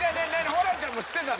ホランちゃんも知ってたの？